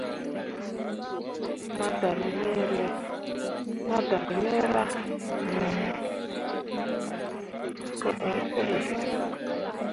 Ma darmeera no bo iŋ puli.